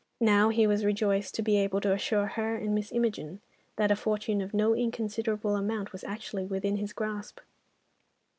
Now, he was rejoiced to be able to assure her and Miss Imogen, that a fortune of no inconsiderable amount was actually within his grasp.